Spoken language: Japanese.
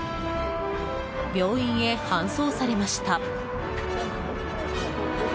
病院へ搬送されました。